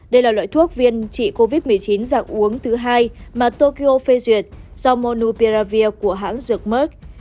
đây là loại thuốc viên trị covid một mươi chín dạng uống thứ hai mà tokyo phê duyệt do monupiravir của hãng dược merk